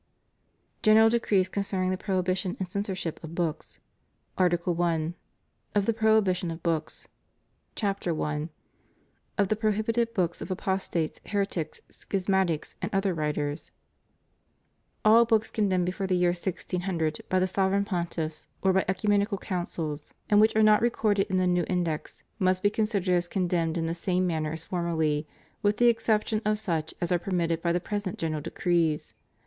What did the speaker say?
GENERAL DECREES CONCERNING THE PROHIBI TION AND CENSORSHIP OF BOOKS. ARTICLE I. Or THB Prohibition of Books. CHAPTER I. Of the Prohibited Books of ApostoJes, Heretics, Schismatics, and Other Writers. 1. AH books condemned before the j' ear 1600 by the Sovereign Pontiffs, or by (Ecumenical Councils, and wliich 412 THE PROHIBITION AND CENSORSHIP OF BOOKS. are not recorded in the new Index, must be considered as condemned in the same manner as formerly, with the exception of such as are permitted by the present General Decrees.